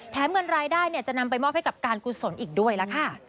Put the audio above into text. เงินรายได้จะนำไปมอบให้กับการกุศลอีกด้วยล่ะค่ะ